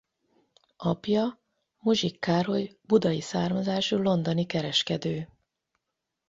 Apja Muzsik Károly budai származású londoni kereskedő.